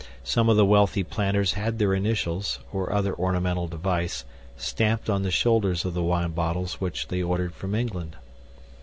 SOME OF THE WEALTHY PLANTERS HAD THEIR INITIALS (OR OTHER ORNAMENTAL DEVICE) STAMPED ON THE SHOULDERS OF THE WINE BOTTLES WHICH THEY ORDERED FROM ENGLAND.